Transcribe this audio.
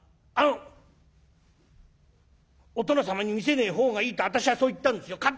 あのお殿様に見せねえ方がいいって私はそう言ったんですよ。